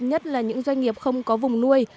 nhất là những doanh nghiệp không có vùng nuôi